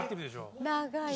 長い。